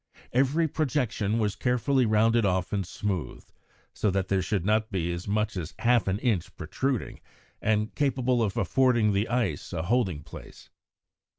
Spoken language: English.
Every projection was carefully rounded off and smoothed, so that there should not be as much as half an inch protruding and capable of affording the ice a holding place.